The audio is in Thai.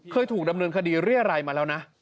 เคยถูกดำเนินคดีเรียรัยมาแล้วนะ